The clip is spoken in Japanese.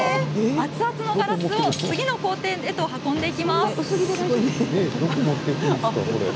熱々のガラスを次の工程に運んでいきます。